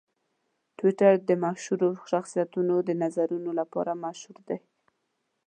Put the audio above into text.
ټویټر د مشهورو شخصیتونو د نظرونو لپاره مشهور دی.